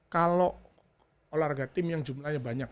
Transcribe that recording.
kalau olahraga tim yang jumlahnya banyak